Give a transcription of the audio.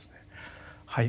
はい。